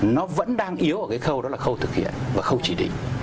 nó vẫn đang yếu ở cái khâu đó là khâu thực hiện và không chỉ định